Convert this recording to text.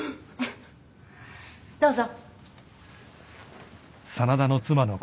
どうぞ。